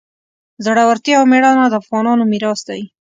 زړورتیا او میړانه د افغانانو میراث دی.